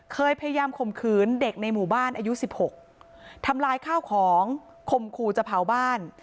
พยายามข่มขืนเด็กในหมู่บ้านอายุสิบหกทำลายข้าวของข่มขู่จะเผาบ้าน